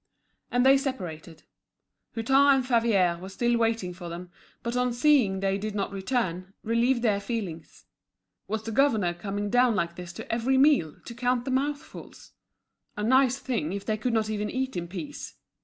And they separated. Hutin and Favier were still waiting for them, but on seeing they did not return, relieved their feelings. Was the governor coming down like this to every meal, to count the mouthfuls? A nice thing, if they could not even eat in peace!